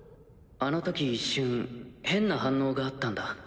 あのとき一瞬変な反応があったんだ。